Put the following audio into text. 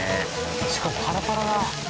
しかもパラパラだ。